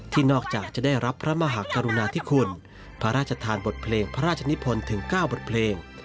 นอกจากจะได้รับพระมหากรุณาธิคุณพระราชทานบทเพลงพระราชนิพลถึง๙บทเพลง